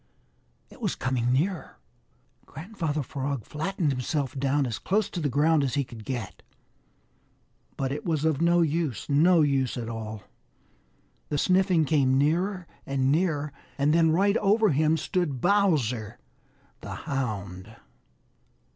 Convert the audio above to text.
It was coming nearer. Grandfather Frog flattened himself down as close to the ground as he could get. But it was of no use, no use at all. The sniffing came nearer and nearer, and then right over him stood Bowser the Hound!